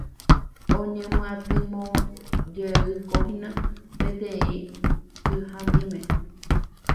Oñemyatymoijekohína peteĩ kyhamíme.